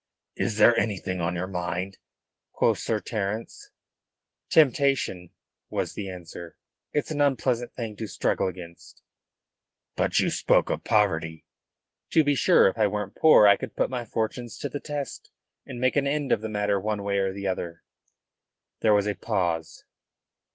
"Is there anything on your mind?" quoth Sir Terence. "Temptation," was the answer. "It's an unpleasant thing to struggle against." "But you spoke of poverty?" "To be sure. If I weren't poor I could put my fortunes to the test, and make an end of the matter one way or the other." There was a pause.